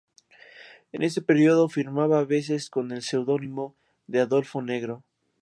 En ese periodo firmaba a veces con el seudónimo de ‘Adolfo Negro’.